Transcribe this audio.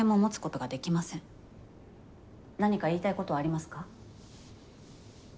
何か言いたいことはありますか？